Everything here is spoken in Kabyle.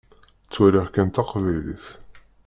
Ttwaliɣ kan taqbaylit.